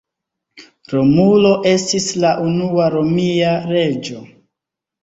Romulo estis la unua Romia reĝo.